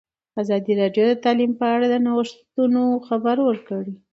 ازادي راډیو د تعلیم په اړه د نوښتونو خبر ورکړی.